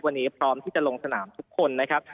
วันนี้พร้อมที่จะลงสนามทุกคนนะครับ